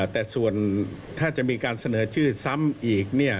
แต่ส่วนถ้าจะมีการเสนอชื่อซ้ำอีก